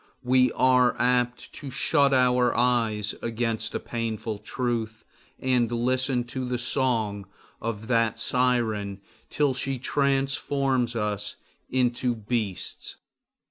We are apt to shut our eyes against a painful truth, and listen to the song of that siren till she transforms us into beasts.